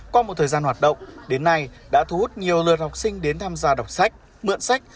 qua một thời gian hoạt động đến nay đã thu hút nhiều lượt học sinh đến tham gia đọc sách mượn sách